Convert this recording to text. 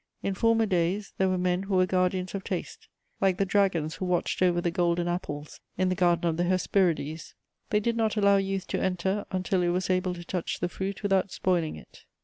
In former days there were men who were guardians of taste, like the dragons who watched over the golden apples in the garden of the Hesperides; they did not allow youth to enter until it was able to touch the fruit without spoiling it.